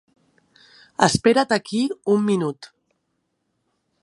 Espera't aquí un minut.